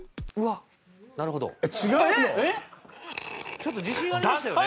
ちょっと自信ありましたよね。